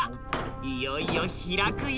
いよいよ開くよ。